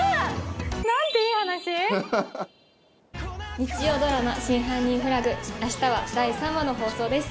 日曜ドラマ『真犯人フラグ』明日は第３話の放送です。